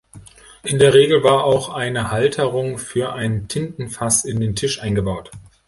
In der Regel war auch eine Halterung für ein Tintenfass in den Tisch eingebaut.